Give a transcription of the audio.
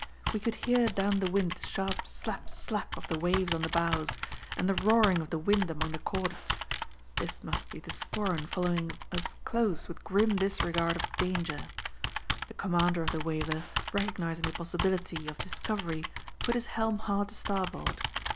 We could hear down the wind the sharp 'slap slap' of the waves on the bows, and the roaring of the wind among the cordage. This must be the Sporran following us close with grim disregard of danger. The commander of the whaler, recognising the possibility of discovery, put his helm hard to starboard.